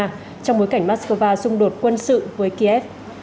trong bối cảnh moscow xung đột quân sự với kiev